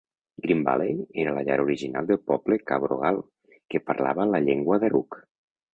Green Valley era la llar original del poble Cabrogal, que parlava la llengua Darug.